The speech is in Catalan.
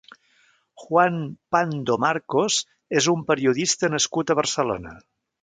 Juan Pando Marcos és un periodista nascut a Barcelona.